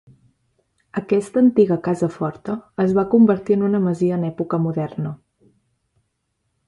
Aquesta antiga casa forta es va convertir en una masia en època moderna.